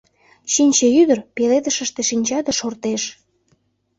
Чинче ӱдыр пеледышыште шинча да шортеш.